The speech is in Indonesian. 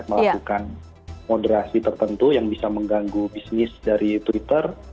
melakukan moderasi tertentu yang bisa mengganggu bisnis dari twitter